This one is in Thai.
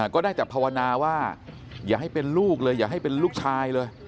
ก็ได้แต่ภาวนาว่าอย่าให้เป็นลูกเลยอย่าให้เป็นลูกชายเลย